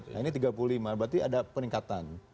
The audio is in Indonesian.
nah ini tiga puluh lima berarti ada peningkatan